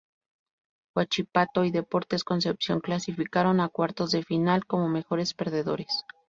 Huachipato y Deportes Concepción clasificaron a cuartos de final como mejores perdedores.